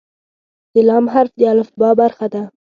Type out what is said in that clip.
د "ل" حرف د الفبا برخه ده.